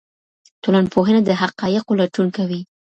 ټولنپوهنه د حقایقو لټون کوي.